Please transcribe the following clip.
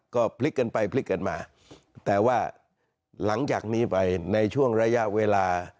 ก็พลิกกันไปพลิกกันมาแต่ว่าหลังจากนี้ไปในช่วงระยะเวลา